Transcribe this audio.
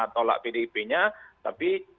tolak pdip nya tapi